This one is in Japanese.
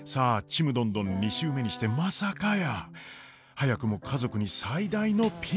「ちむどんどん」２週目にしてまさかやー早くも家族に最大のピンチ！